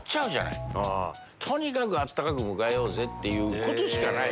とにかく温かく迎えようぜ！っていうことしかない。